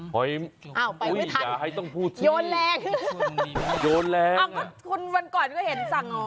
หอยอ้าวอุ้ยอย่าให้ต้องพูดโยนแรงโยนแรงอ้าวคุณวันก่อนก็เห็นสั่ง